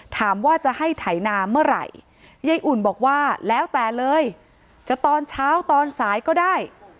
ถามว่าจะให้ไถนาเมื่อไหร่ยายอุ่นบอกว่าแล้วแต่เลยจะตอนเช้าตอนสายก็ได้